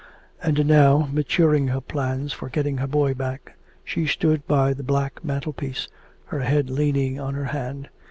And now, maturing her plans for getting her boy back, she stood by the black mantelpiece, her head leaning on her hand.